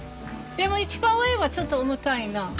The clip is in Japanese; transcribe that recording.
でも一番上はちょっと重たいな。